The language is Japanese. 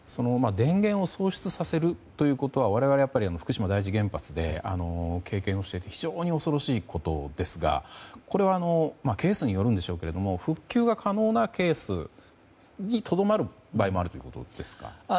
電源を喪失させるということは我々は福島第一原発で経験をしていて非常に恐ろしいことですがこれはケースによるんでしょうけれども復旧可能なケースにとどまる場合もあるということですか？